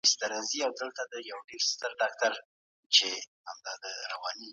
ایا نوي کروندګر چارمغز ساتي؟